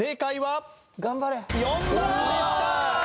４番でした！